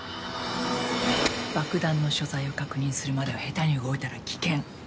爆弾の所在を確認するまでは下手に動いたら危険。